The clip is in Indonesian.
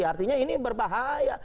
artinya ini berbahaya